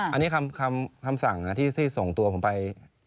อันนี้คำสั่งที่ส่งตัวผมไป